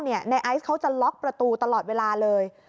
ในไอซ์เขาจะล็อกประตูตลอดเวลาเลย